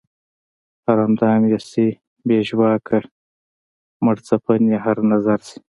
هر اندام ئې شي بې ژواکه مړڅپن ئې هر نظر شي